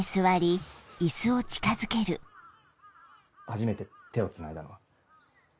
初めて手をつないだのは？